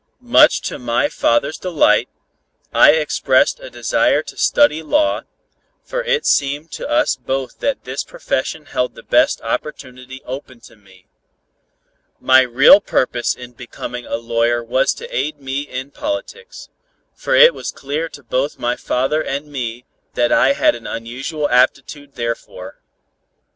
Much to my father's delight, I expressed a desire to study law, for it seemed to us both that this profession held the best opportunity open to me. My real purpose in becoming a lawyer was to aid me in politics, for it was clear to both my father and me that I had an unusual aptitude therefor.